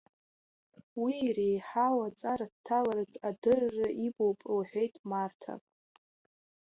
Уи иреиҳау аҵара дҭалартә адырра имоуп, — лҳәеит Марҭа.